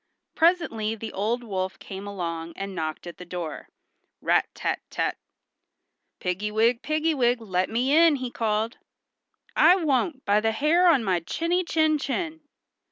Presently the old wolf came along and knocked at the door—rat tat tat! "Piggy wig, piggy wig, let me in," he called. "I won't, by the hair on my chinny chin chin."